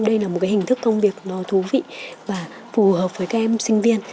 đây là một cái hình thức công việc nó thú vị và phù hợp với các em sinh viên